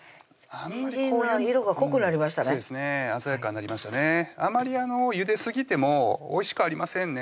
あまりゆですぎてもおいしくありませんね